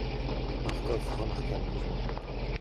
Marcof remarqua le mouvement.